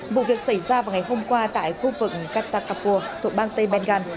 vụ việc xảy ra vào ngày hôm qua tại khu vực kattakapur tổng bang tây bengal